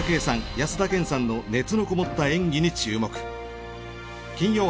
安田顕さんの熱のこもった演技に注目。